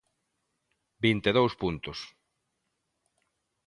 Vinte e dous puntos.